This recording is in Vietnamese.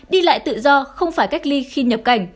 đi lại tự do không phải cách ly khi nhập cảnh